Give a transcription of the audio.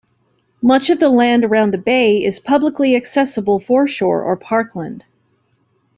Much of the land around the bay is publicly accessible foreshore or parkland.